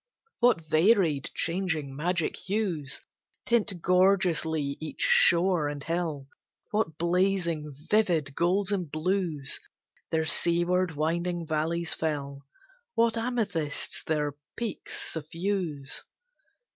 What varied, changing magic hues Tint gorgeously each shore and hill! What blazing, vivid golds and blues Their seaward winding valleys fill! What amethysts their peaks suffuse!